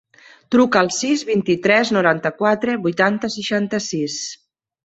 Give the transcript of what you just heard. Truca al sis, vint-i-tres, noranta-quatre, vuitanta, seixanta-sis.